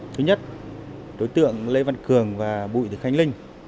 thứ nhất đối tượng lê văn cường và bùi thị khánh linh